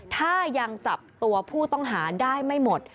ถ้ายังจับตัวผู้ต้องหาได้ไม่หมด